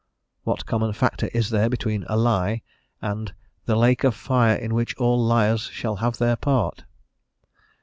What common factor is there between a lie, and the "lake of fire in which all liars shall have their part?"